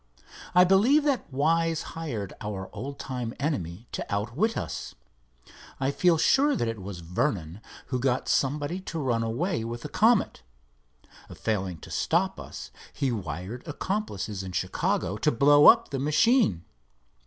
I believe that Wise hired our old time enemy to outwit us. I feel sure it was Vernon who got somebody to run away with the Comet. Failing to stop us he wired accomplices in Chicago to blow up the machine.